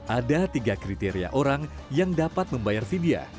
ada tiga kriteria orang yang dapat membayar vidya